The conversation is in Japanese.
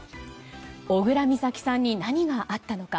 小倉美咲さんに何があったのか。